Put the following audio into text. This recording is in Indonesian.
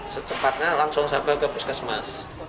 secepatnya langsung sampai ke puskesmas